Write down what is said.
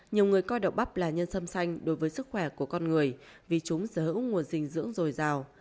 nhiều người coi đậu bắp là nhân xâm xanh đối với sức khỏe của con người vì chúng sở hữu nguồn dinh dưỡng dồi dào